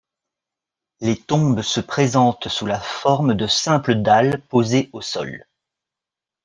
Les tombes se présentent sous la forme de simples dalles posées au sol.